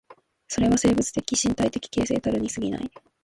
それは生物的身体的形成たるに過ぎない。